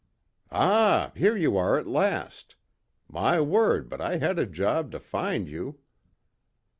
"Ah, here you are at last. My word, but I had a job to find you."